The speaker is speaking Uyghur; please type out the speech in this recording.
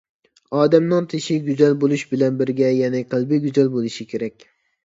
ئادەمنىڭ تېشى گۈزەل بولۇش بىلەن بىرگە يەنە قەلبى گۈزەل بولۇشى كېرەك!